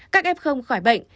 các em không khỏi bệnh